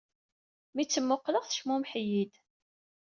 Mi tt-mmuqqleɣ, tecmumeḥ-iyi-d.